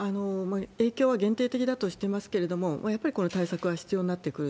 影響は限定的だとしていますけれども、やっぱりこの対策は必要になってくる。